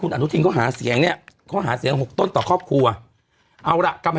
อืมอืมอืมอืมอืม